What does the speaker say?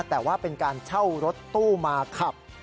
แต่ว่าเป็นการเช่ารถตู้มาขับ